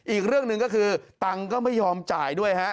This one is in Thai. อีกเรื่องหนึ่งก็คือตังค์ก็ไม่ยอมจ่ายด้วยฮะ